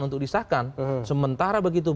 untuk disahkan sementara begitu